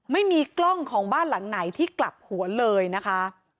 ไม่มีกล้องของบ้านหลังไหนที่กลับหัวเลยนะคะ